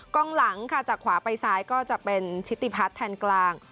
กล้องหลังค่ะจากขวาไปซ้ายก็จะเป็นชิติพัฒน์แทนกลาง